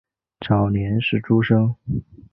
早年是诸生。